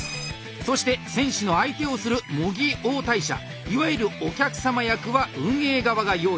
そして選手の相手をする模擬応対者いわゆるお客様役は運営側が用意。